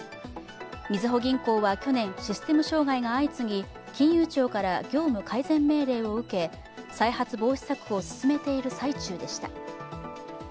みずほ銀行は去年システム障害が相次ぎ金融庁から業務改善命令を受け再発防止策を進めている最中でした。